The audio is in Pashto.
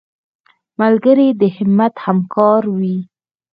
ملګری د همت همکار وي